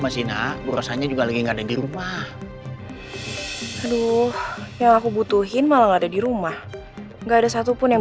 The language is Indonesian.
sampai jumpa di video selanjutnya